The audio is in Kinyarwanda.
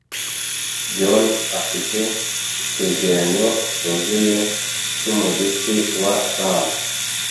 john afite icyegeranyo cyuzuye cyumuziki wa sam.